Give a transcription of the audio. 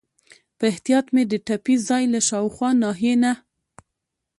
په احتیاط مې د ټپي ځای له شاوخوا ناحیې نه.